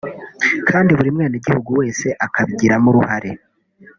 kandi buri mwenegihugu wese akabigiramo uruhare